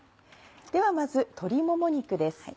ではまず鶏もも肉です。